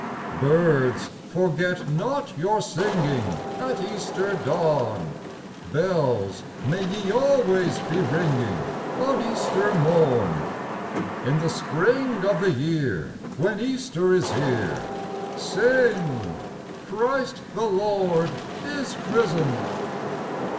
Birds, forget not your singing At Easter dawn ; Bells, may ye always be ringing On Easter morn. In the spring of the year, When Easter is here, Sing, Christ the Lord is risen